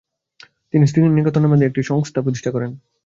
তিনি শ্রীনিকেতন নামে একটি সংস্থা প্রতিষ্ঠা করেন।